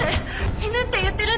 死ぬって言ってるんです！